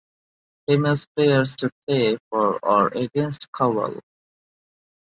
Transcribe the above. Famous players to play for or against Cowal.